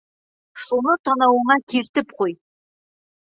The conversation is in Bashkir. Шуны танауыңа киртеп ҡуй!